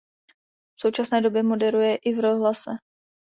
V současné době moderuje i v rozhlase.